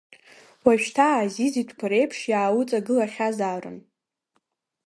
Уажәшьҭа Аазиз итәқәа реиԥш иаауҵагылахьазаарын…